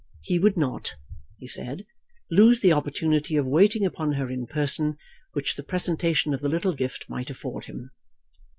"He would not," he said, "lose the opportunity of waiting upon her in person which the presentation of the little gift might afford him."